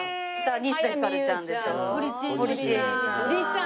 西田ひかるちゃん。